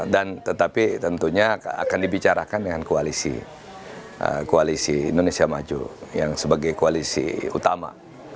dan tetapi tentunya akan dibicarakan dengan koalisi indonesia maju yang sebagai koalisi utama